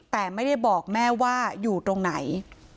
แต่ไม่ได้บอกแม่ว่าอยู่ตรงไหน